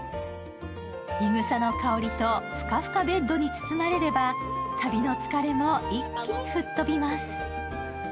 い草の香りとふかふかベッドに包まれれば旅の疲れも一気に吹っ飛びます。